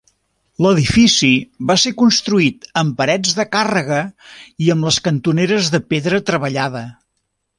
L'edifici va ser construït amb parets de càrrega i amb les cantoneres de pedra treballada.